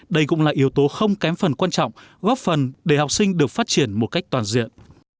đây cũng là yếu tố không kém phần quan trọng góp phần để học sinh được phát triển một cách toàn diện